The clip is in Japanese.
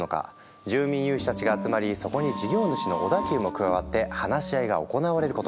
住民有志たちが集まりそこに事業主の小田急も加わって話し合いが行われることに。